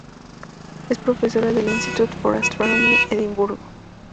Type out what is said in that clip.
Es Profesora en el Institute for Astronomy, Edimburgo.